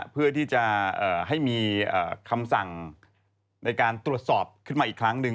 เพื่อที่จะให้มีคำสั่งในการตรวจสอบขึ้นมาอีกครั้งหนึ่ง